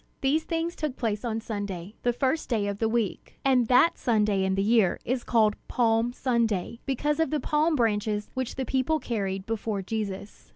These things took place on Sunday, the first day of the week; and that Sunday in the year is called Palm Sunday, because of the palm branches which the people carried before Jesus.